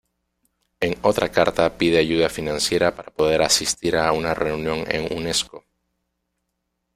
En otra carta pide ayuda financiera para poder asistir a una reunión en Unesco.